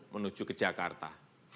menuju ke jakarta